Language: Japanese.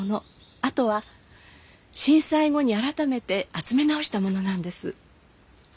あとは震災後に改めて集め直したものなんです。